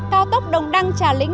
cao tốc đồng đăng trà lĩnh